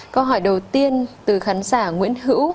câu hỏi đầu tiên từ khán giả nguyễn hữu